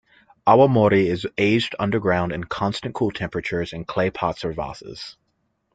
"Awamori" is aged underground in constant cool temperatures in clay pots or vases.